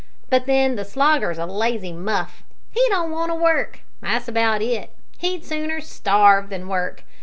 But then the Slogger's a lazy muff. He don't want to work that's about it. He'd sooner starve than work.